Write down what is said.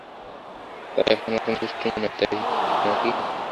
তাই এখন আর কোনো দুষ্টুমি নয়, তাই নয় কি?